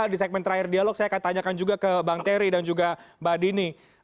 di segmen terakhir dialog saya akan tanyakan juga ke bang terry dan juga mbak dini